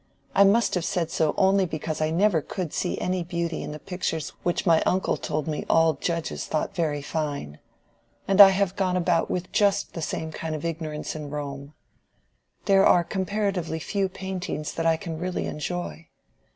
"I must have said so only because I never could see any beauty in the pictures which my uncle told me all judges thought very fine. And I have gone about with just the same ignorance in Rome. There are comparatively few paintings that I can really enjoy.